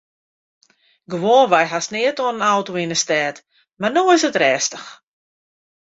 Gewoanwei hast neat oan in auto yn 'e stêd mar no is it rêstich.